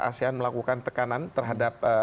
asean melakukan tekanan terhadap